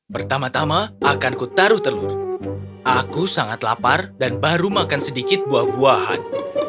pertama tama akanku taruh telur aku sangat lapar dan baru makan sedikit buah buahan